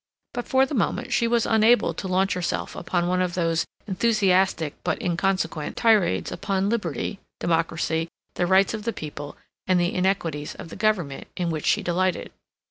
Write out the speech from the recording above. But, for the moment, she was unable to launch herself upon one of those enthusiastic, but inconsequent, tirades upon liberty, democracy, the rights of the people, and the iniquities of the Government, in which she delighted.